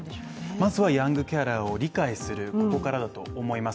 まずはヤングケアラーを理解することからだと思います。